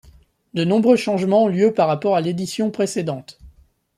De nombreux changements ont lieu par rapport à l'édition précédente.